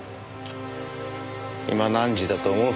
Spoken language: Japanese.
今何時だと思う？